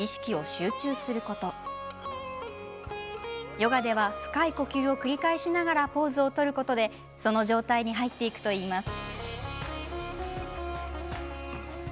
ヨガでは深い呼吸を繰り返しながらポーズを取ることでその状態に入っていくといいます。